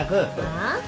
ああ？